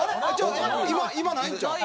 今ないんちゃうん？